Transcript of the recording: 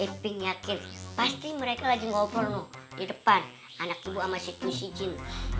eping yakin pasti mereka lagi ngobrol di depan anak ibu sama si jin